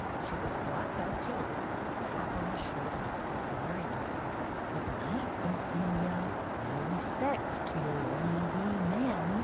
She was brought back to earth by a tap on the shoulder, as Mary whispered, —" Good night, Ophelia. My respects to your wee, wee man."